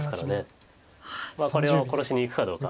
まあこれは殺しにいくかどうか。